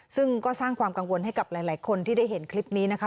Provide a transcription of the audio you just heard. ซึ่งก็สร้างความกังวลให้กับหลายคนที่ได้เห็นคลิปนี้นะคะ